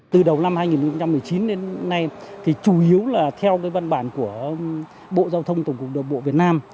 từ đầu năm hai nghìn một mươi chín đến nay thì chủ yếu là theo cái văn bản của bộ giao thông tổng cục đường bộ việt nam